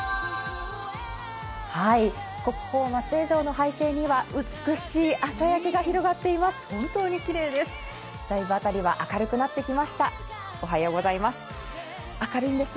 国宝・松江城の背景には美しい朝焼けが広がっています。